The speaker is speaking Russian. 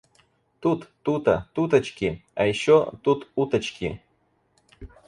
Тут, тута, туточки. А ещё тут уточки.